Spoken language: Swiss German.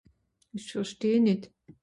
ìsch versteh nìt